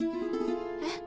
えっ？